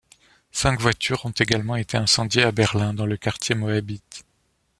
Cinq voitures ont également été incendiées à Berlin, dans le quartier Moabit.